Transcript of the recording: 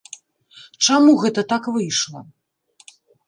Чаму гэта так выйшла?